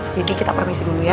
jadi kita permisi dulu ya